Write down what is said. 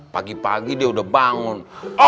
pagi pagi dia udah bangun